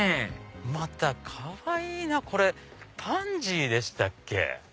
またかわいいなこれパンジーでしたっけ。